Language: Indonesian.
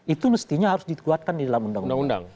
itu mestinya harus dikuatkan di dalam undang undang